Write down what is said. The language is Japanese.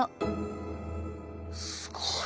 すごいね。